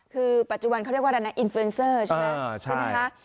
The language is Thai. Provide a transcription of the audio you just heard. คือปัจจุบันเขาเรียกว่านั้นนะอินฟิวันเซอร์ใช่ไหม